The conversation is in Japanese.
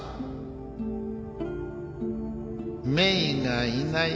メイがいない